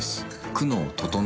久能整」